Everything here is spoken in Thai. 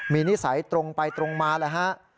มีนิสัยตรงไปตรงมาแหละฮะ